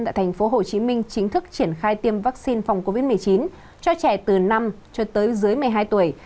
tại tp hcm chính thức triển khai tiêm vaccine phòng covid một mươi chín cho trẻ từ năm cho tới dưới một mươi hai tuổi